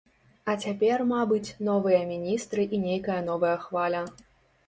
А цяпер, мабыць, новыя міністры і нейкая новая хваля.